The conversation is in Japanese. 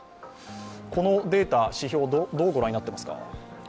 このデータ、指標をどう御覧になっていますか？